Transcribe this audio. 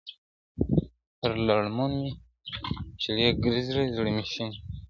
پر لړمون مي چړې گرځي زړه مي شين دئ !.